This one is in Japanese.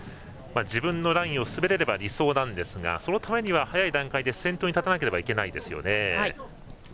自分のラインを進めれば理想なんですがそのためには早い段階で先頭に立たなければいけません。